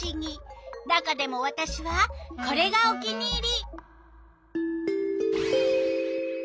中でもわたしはこれがお気に入り！